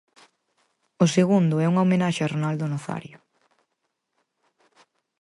O segundo é unha homenaxe a Ronaldo Nazario.